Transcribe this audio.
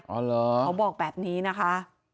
อ๋อเหรอเขาบอกแบบนี้นะคะ